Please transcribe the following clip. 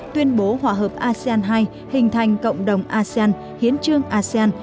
tuyên bố hòa hợp asean hai hình thành cộng đồng asean hiến trương asean